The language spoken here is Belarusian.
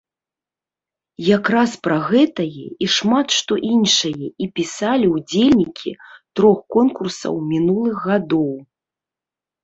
Якраз пра гэтае і шмат што іншае і пісалі ўдзельнікі трох конкурсаў мінулых гадоў.